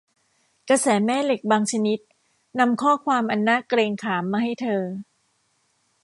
กระแสแม่เหล็กบางชนิดนำข้อความอันน่าเกรงขามมาให้เธอ